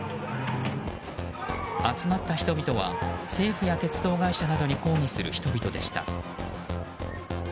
集まった人々は政府や鉄道会社などに抗議する人々でした。